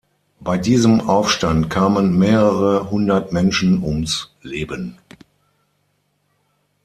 Bei diesem Aufstand kamen mehrere Hundert Menschen ums Leben.